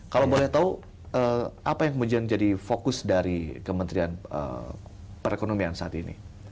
kalau boleh tahu apa yang kemudian jadi fokus dari kementerian perekonomian saat ini